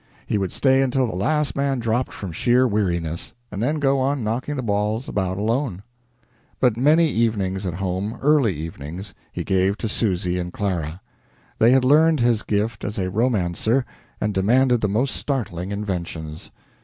He would stay until the last man dropped from sheer weariness, and then go on knocking the balls about alone. But many evenings at home early evenings he gave to Susy and Clara. They had learned his gift as a romancer and demanded the most startling inventions.